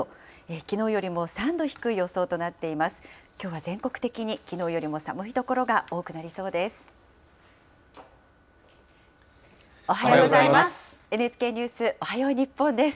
きのうよりも３度低い予想となっています。